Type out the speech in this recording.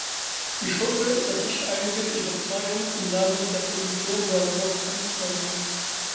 Ich hoffe, dass ich einige Ihrer Fragen im Namen der Kommission beantworten konnte.